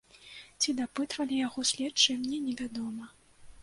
Ці дапытвалі яго следчыя, мне не вядома.